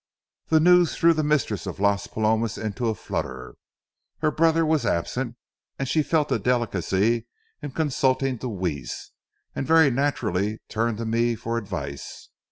The news threw the mistress of Las Palomas into a flutter. Her brother was absent, and she felt a delicacy in consulting Deweese, and very naturally turned to me for advice.